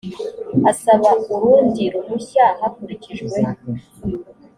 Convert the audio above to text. asaba urundi ruhushya hakurikijwe